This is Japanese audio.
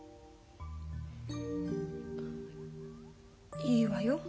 いいわよ。